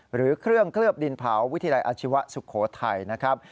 หรือเครื่องเคลือบดินเผาวิทยาลัยอาชีวะสุโขทัยนะครับ